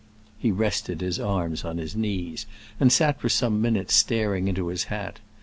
He rested his arms on his knees, and sat for some minutes staring into his hat.